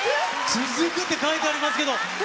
つづくって書いてありますけれども。